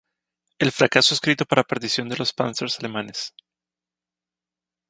El fracaso escrito para perdición de los Panzers alemanes.